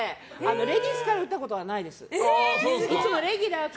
レディースから打ったことないです。